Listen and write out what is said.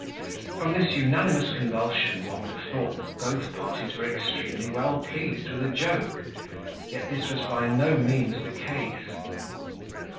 From this unanimous convulsion, one would have thought that both parties were extremely well pleased with a joke, yet this was by no means the case.